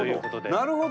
なるほど。